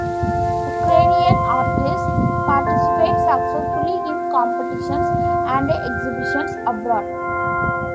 Ukrainian artists participate successfully in competitions and exhibitions abroad.